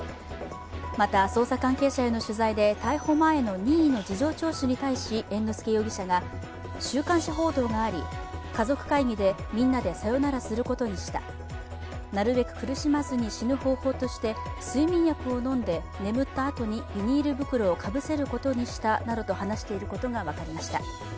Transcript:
また、捜査関係者への取材で逮捕前の任意の事情聴取に対し猿之助容疑者が週刊誌報道があり、家族会議でみんなでさよならすることにしたなるべく苦しまずに死ぬ方法として、睡眠薬を飲んで眠ったあとにビニール袋をかぶせることにしたなどと話していることが分かりました。